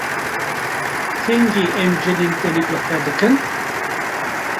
Kengî em cilên tenik li xwe dikin?